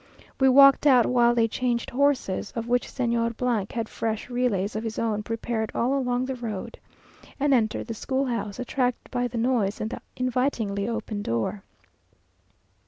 We walked out while they changed horses, of which Señor had fresh relays of his own prepared all along the road; and entered the school house, attracted by the noise and the invitingly open door.